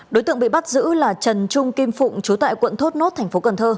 đối tượng bị bắt giữ là trần trung kim phụng chú tại quận thốt nốt tp cần thơ